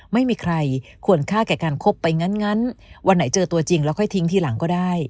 ไม่มีใครควรฆ่าแก่การคบไปงั้นวันไหนเจอตัวจริงแล้วค่อยทิ้งทีหลังก็ได้